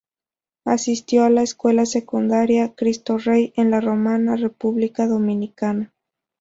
Asistió a la "Escuela Secundaria Cristo Rey" en La Romana, República Dominicana.